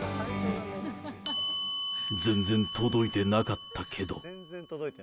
全然届いてなかったけど。